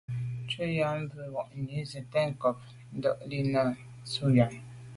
Sə̂n bu’ŋwà’nì swatə̂ncob ncob ntad lî nâ’ yα̌ tumə.